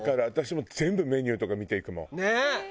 私も全部メニューとか見て行くもん。